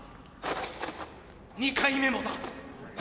２回目もだ。